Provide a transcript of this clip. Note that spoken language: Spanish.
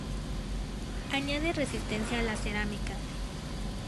Añade resistencia a la cerámica.